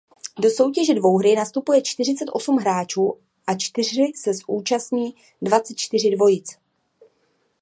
Do soutěže dvouhry nastupuje čtyřicet osm hráčů a čtyřhry se účastní dvacet čtyři dvojic.